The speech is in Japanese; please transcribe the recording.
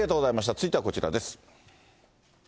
続いてはこちらです。